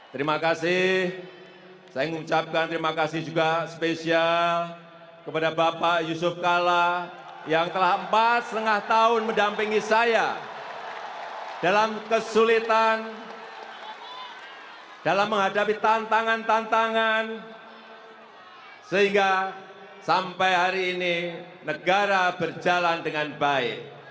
terima kasih saya mengucapkan terima kasih juga spesial kepada bapak yusuf kala yang telah empat setengah tahun mendampingi saya dalam kesulitan dalam menghadapi tantangan tantangan sehingga sampai hari ini negara berjalan dengan baik